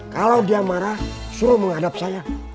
kalau dia marah suruh menghadap saya